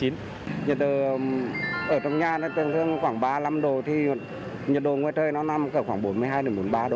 nhật độ ở trong nhà nó tầm khoảng ba mươi năm độ thì nhật độ ngoài trời nó nằm khoảng bốn mươi hai bốn mươi ba độ thôi